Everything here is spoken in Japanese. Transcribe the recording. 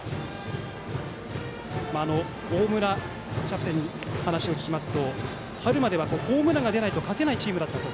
大村キャプテンに話を聞きますと春まではホームランが出ないと勝てないチームだったと。